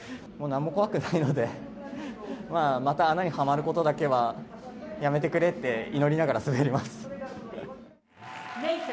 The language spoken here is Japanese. もうなんも怖くないので、まあ、また穴にはまることだけはやめてくれって祈りながら滑ります。